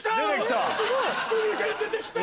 出てきた。